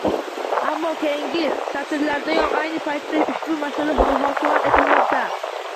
Ammo keyingi satrlardayoq «Ayni paytda ushbu masala muhokama etilmoqda